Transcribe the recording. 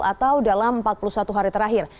atau dalam empat puluh satu hari terakhir